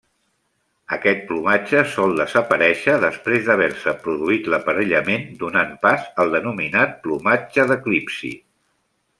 Aquest plomatge sol desaparèixer després d'haver-se produït l'aparellament donant pas al denominat plomatge d'eclipsi.